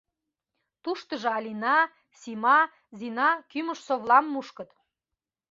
Туштыжо Алина, Сима, Зина кӱмыж-совлам мушкыт.